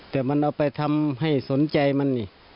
แต่มันเอาไปทำให้สนใจมันนี่